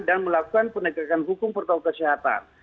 dan melakukan penegakan hukum protokol kesehatan